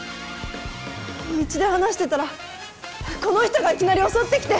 道で話してたらこの人がいきなり襲ってきて！